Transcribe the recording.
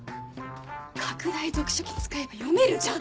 拡大読書器使えば読めるじゃん！